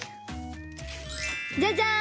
じゃじゃん！